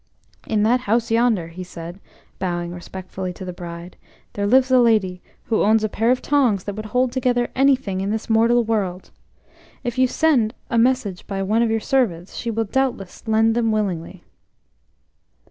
"In that house yonder," he said, bowing respectfully to the bride, "there lives a lady who owns a pair of tongs that would hold together anything in this mortal world! If you send a message by one of your servants, she will doubtless lend them willingly."